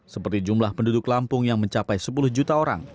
seperti jumlah penduduk lampung yang mencapai sepuluh juta orang